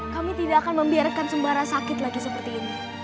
kami tidak akan membiarkan sembara sakit lagi seperti ini